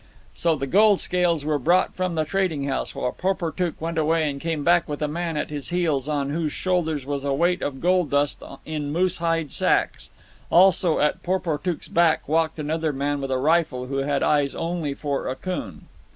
So the gold scales were brought from the trading post, while Porportuk went away and came back with a man at his heels, on whose shoulders was a weight of gold dust in moose hide sacks. Also, at Porportuk's back, walked another man with a rifle, who had eyes only for Akoon.